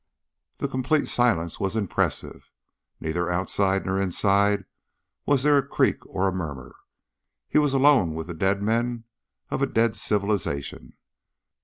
The complete silence was impressive. Neither outside nor inside was there a creak or a murmur. He was alone with the dead men of a dead civilisation.